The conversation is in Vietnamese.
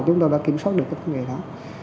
chúng tôi đã kiểm soát được cái vấn đề đó